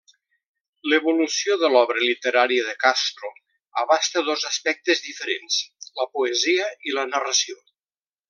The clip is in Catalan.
L'evolució de l'obra literària de Castro abasta dos aspectes diferents: la poesia i la narració.